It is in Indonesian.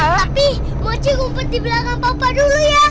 tapi moci kumpet dibilang sama papa dulu ya